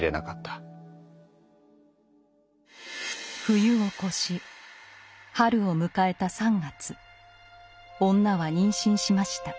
冬を越し春を迎えた３月女は妊娠しました。